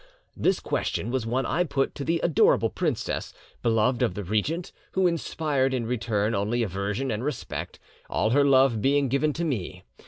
"This question was one I put to the adorable princess, beloved of the regent, who inspired in return only aversion and respect, all her love being given to me.